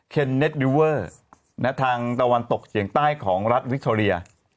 เน็ตดิวเวอร์ทางตะวันตกเฉียงใต้ของรัฐวิคโทเรีย